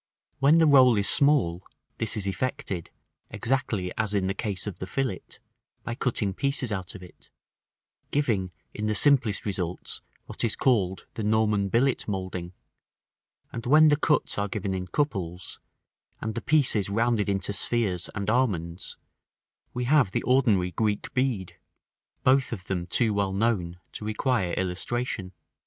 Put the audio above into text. When the roll is small, this is effected, exactly as in the case of the fillet, by cutting pieces out of it; giving in the simplest results what is called the Norman billet moulding: and when the cuts are given in couples, and the pieces rounded into spheres and almonds, we have the ordinary Greek bead, both of them too well known to require illustration.